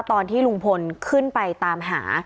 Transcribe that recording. ตอนที่ลุงพลขึ้นไปตามหา